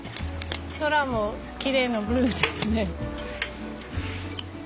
空もきれいなブルーですね。